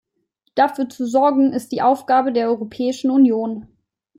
Dafür zu sorgen, ist die Aufgabe der Europäischen Union.